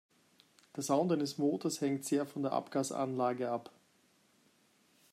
Der Sound eines Motors hängt sehr von der Abgasanlage ab.